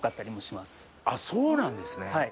そうなんですね。